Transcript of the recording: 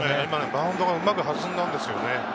マウンドでうまく弾んだんですね。